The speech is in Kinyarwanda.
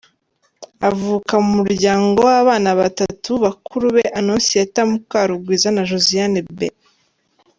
Avuka mu muryango w’abana batatu bakuru be Annonciata Mukarungwiza na Josiane B.